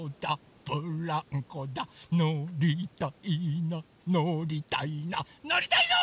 ブランコだのりたいなのりたいなのりたいぞ！